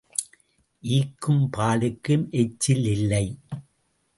ஈக்கும் பாலுக்கும் எச்சில் இல்லை.